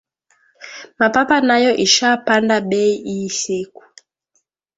Mapapa nayo isha panda bei iyi siku